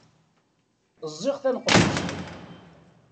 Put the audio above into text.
Ẓẓiɣ taneqlet.